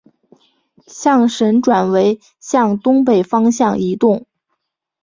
象神转为向东北方向移动。